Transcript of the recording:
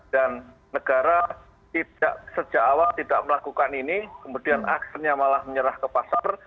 dan negara sejak awal tidak melakukan ini kemudian akhirnya malah menyerah ke pasar